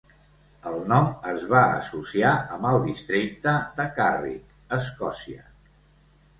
El nom es va associar amb el districte de Carrick, Escòcia.